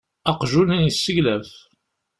Aqjun yesseglaf.